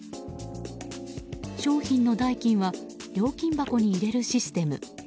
商品の代金は料金箱に入れるシステム。